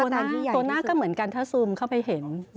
ตัวหน้าก็เหมือนกันถ้าซูมเข้าไปเห็น